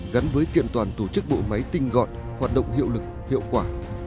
gắn với kiện toàn tổ chức bộ máy tinh gọn hoạt động hiệu lực hiệu quả